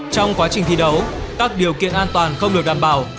trong quá trình thi đấu các điều kiện an toàn không được đảm bảo